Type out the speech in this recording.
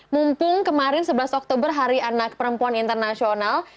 mumpung kemarin sebelas oktober hari anak perempuan internasional